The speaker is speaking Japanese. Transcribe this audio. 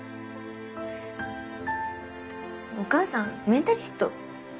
お母さんメンタリスト？